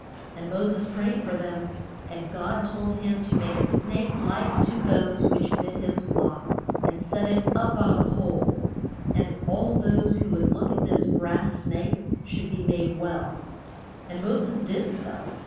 And Mo ses prayed for them. And God told him to make a snake like to those which bit his flock, and set it up on a pole. And all those who would look at this brass snake should be made well. [Illustration: MOS ES ON MOUNT SINAI.] And Mo ses did so.